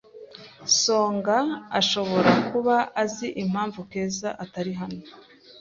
Songa ashobora kuba azi impamvu Keza atari hano.